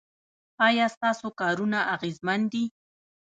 ایا ستاسو کارونه اغیزمن دي؟